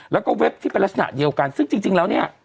แล้วก็เว็บที่เป็นลักษณะเดียวกันซึ่งจริงแล้วเนี่ย